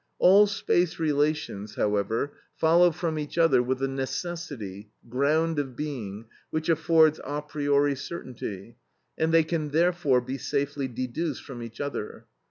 All space relations, however, follow from each other with a necessity (ground of being) which affords a priori certainty, and they can therefore be safely deduced from each other.